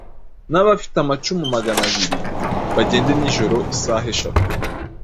n’abafite amacumu magana abiri, bagende nijoro isaha eshatu.